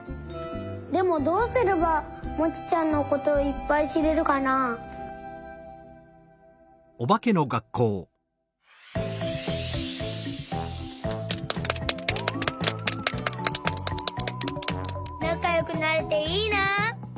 「でもどうすればモチちゃんのことをいっぱいしれるかなあ」。なかよくなれていいな。